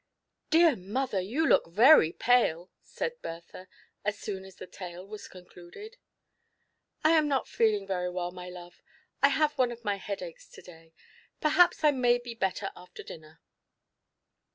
^EAR mother, you look very pale," said Bertha, as soon as the tale was concluded. " I am not feeling very well, my love; I have one of my headaches to day. Perhaps I may be better after dinner."